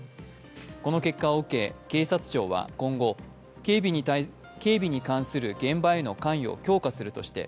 この結果を受け、警察庁は今後、警備に関する現場への関与を強化するとして